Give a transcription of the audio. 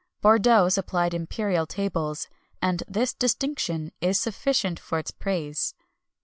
[XXI 239] Bordeaux supplied imperial tables, and this high distinction is sufficient for its praise.